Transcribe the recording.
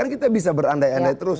kita bisa berandai andai terus